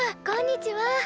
こんにちは！